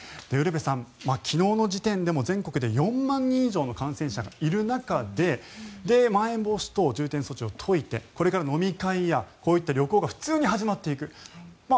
ウルヴェさん、昨日の時点でも全国で４万人以上の感染者がいる中でまん延防止等重点措置を解いてこれから飲み会やこういった旅行が普通に始まっていく。